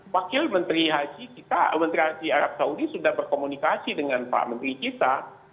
wakil menteri arab saudi sudah berkomunikasi dengan pak menteri kisah